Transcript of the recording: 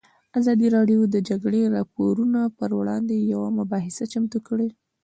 ازادي راډیو د د جګړې راپورونه پر وړاندې یوه مباحثه چمتو کړې.